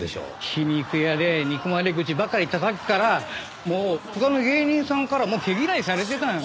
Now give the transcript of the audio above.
皮肉屋で憎まれ口ばかりたたくからもう他の芸人さんからも毛嫌いされてたのよ。